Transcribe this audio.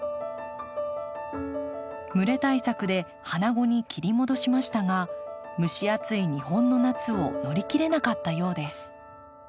蒸れ対策で花後に切り戻しましたが蒸し暑い日本の夏を乗り切れなかったようです。